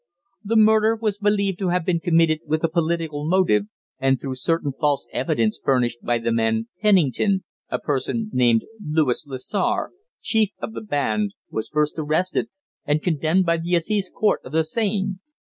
The murder was believed to have been committed with a political motive, and through certain false evidence furnished by the man Pennington, a person named Louis Lessar, chief of the band, was first arrested, and condemned by the Assize Court of the Seine.